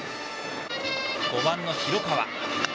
５番の広川。